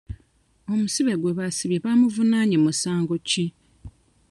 Omusibe gwe baasibye baamuvunaanye musango ki?